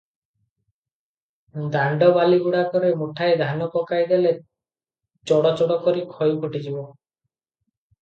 ଦାଣ୍ତ ବାଲିଗୁଡ଼ାକରେ ମୁଠାଏ ଧାନ ପକାଇ ଦେଲେ ଚଡ଼ଚଡ଼ କରି ଖଇ ଫୁଟିଯିବ ।